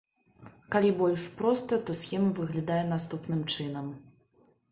Калі больш проста, то схема выглядае наступным чынам.